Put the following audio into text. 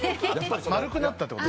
丸くなったってこと？